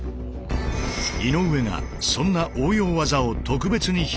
井上がそんな応用技を特別に披露してくれる。